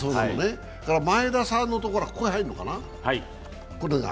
前田さんのところはここへ入るのかな。